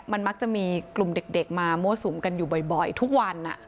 มันมักจะมีกลุ่มเด็กมามั่วสุมกันอยู่บ่อยทุกวัน